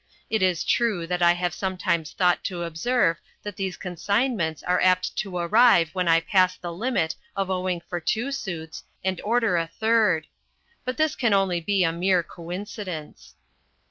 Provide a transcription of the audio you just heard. It is true that I have sometimes thought to observe that these consignments are apt to arrive when I pass the limit of owing for two suits and order a third. But this can only be a mere coincidence.